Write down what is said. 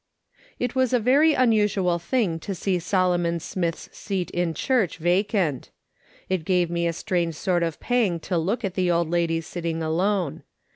It was a very unusual thing to see Solomon Smith's seat in church vacant. It gave me a strange sort of pang to look at the old lady sitting alone.